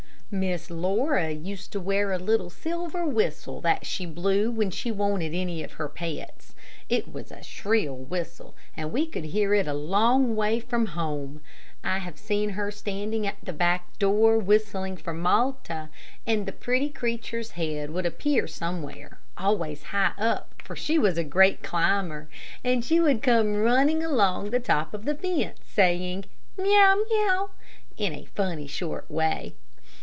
Miss Laura used to wear a little silver whistle that she blew when she wanted any of her pets. It was a shrill whistle, and we could hear it a long way from home. I have seen her standing at the back door whistling for Malta, and the pretty creature's head would appear somewhere always high up, for she was a great climber, and she would come running along the top of the fence, saying, "Meow, meow," in a funny, short way.